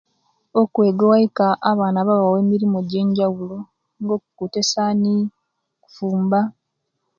Okwega owaika abaana babawa emorimo jenjaulo nga okuta esani, okufumba